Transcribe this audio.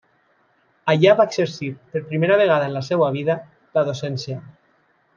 Allà va exercir, per primera vegada en la seva vida, la docència.